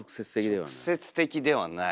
直接的ではない。